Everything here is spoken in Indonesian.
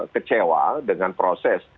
kecewa dengan proses